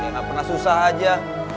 enggak pernah susah aja